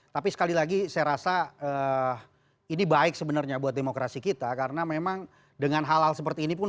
tapi sekali lagi saya rasa ini baik sebenarnya buat demokrasi kita karena memang dengan hal hal seperti ini pun